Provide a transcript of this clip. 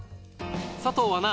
佐藤アナ